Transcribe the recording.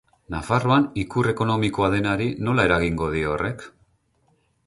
Nafarroan ikur ekonomikoa denari nola eragingo dio horrek?